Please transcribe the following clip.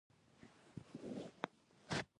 موږ سولې ته ژمن یو خو د سولې قربان کېدل نه منو.